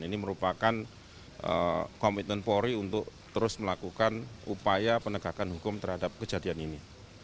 ini merupakan komitmen polri untuk terus melakukan upaya penegakan hukum terhadap kejadian ini